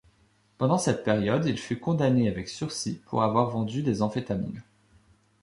Pendant cette période, il fut condamné avec sursis pour avoir vendu des amphétamines.